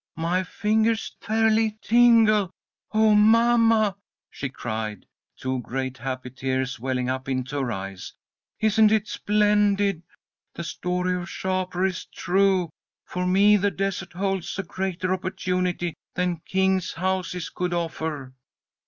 My fingers fairly tingle. Oh, mamma!" she cried, two great happy tears welling up into her eyes. "Isn't it splendid? The story of Shapur is true! For me the desert holds a greater opportunity than kings' houses could offer!"